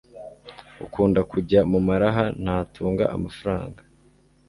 ukunda kujya mumaraha ntatunga amafaranga